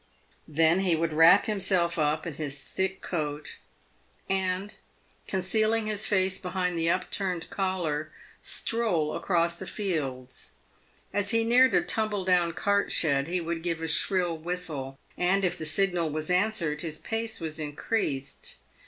Then he would wrap himself up in his thick coat, and, concealing his face behind the upturned collar, stroll across the fields. As he neared a tumble down cart shed, he would give a shrill whistle, and, if the signal was answered, his pace was increased.